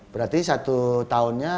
berarti satu tahunnya